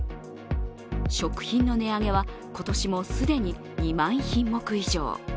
食品の値上げは今年も既に２万品目以上。